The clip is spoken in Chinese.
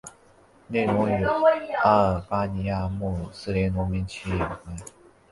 内容与阿尔巴尼亚穆斯林农民起义有关。